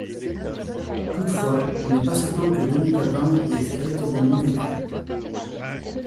Toutefois, il n'est pas certain que Denis Papin y ait véritablement vécu.